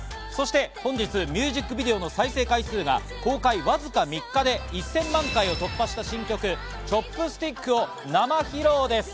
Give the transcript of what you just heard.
そして、本日ミュージックビデオの再生回数をわずか３日で１０００万回を突破した新曲『Ｃｈｏｐｓｔｉｃｋ』を生披露です。